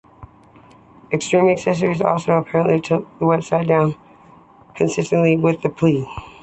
Extreme Associates also apparently took its website down concurrent with the plea.